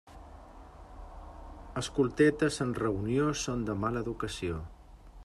Escoltetes en reunió són de mala educació.